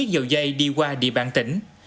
dầu dây đi qua địa bàn tỉnh